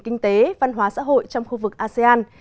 kinh tế văn hóa xã hội trong khu vực asean